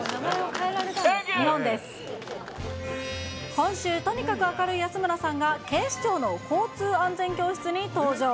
今週、とにかく明るい安村さんが、警視庁の交通安全教室に登場。